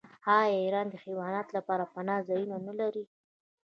آیا ایران د حیواناتو لپاره پناه ځایونه نلري؟